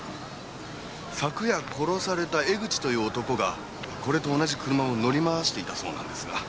昨夜殺された江口という男がこれと同じ車を乗り回していたそうなんですが。